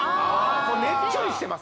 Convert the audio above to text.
これねっちょりしてます